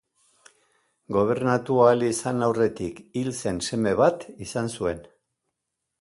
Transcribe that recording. Gobernatu ahal izan aurretik hil zen seme bat izan zuen.